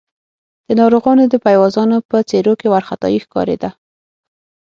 د ناروغانو د پيوازانو په څېرو کې وارخطايي ښکارېده.